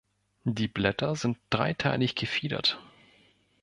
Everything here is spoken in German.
Die Blätter sind dreiteilig gefiedert.